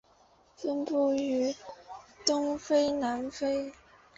分布于东非和南非。